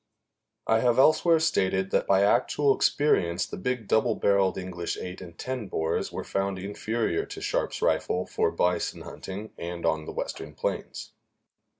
I have elsewhere stated that by actual experience the big double barreled English eight and ten bores were found inferior to Sharps rifle for bison hunting on the Western plains.